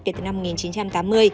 kể từ năm một nghìn chín trăm tám mươi